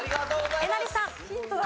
えなりさん。